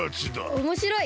おもしろい！